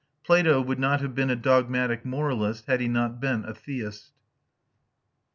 Plato would not have been a dogmatic moralist, had he not been a theist.